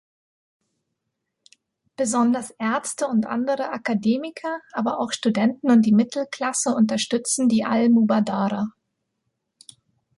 Besonders Ärzte und andere Akademiker, aber auch Studenten und die Mittelklasse unterstützen die Al-Mubadara.